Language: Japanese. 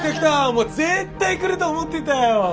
もう絶対来ると思ってたよ。